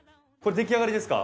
出来上がりです。